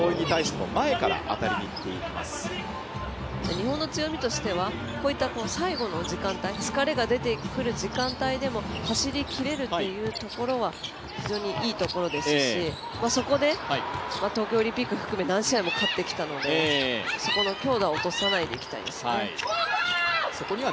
日本の強みとしてはこうした最後の時間帯疲れが出てくる時間帯でも走りきれるっていうところは非常にいいところですし、そこで東京オリンピック含め何試合も勝ってきたのでそこの強度は落とさないでいきたいですね。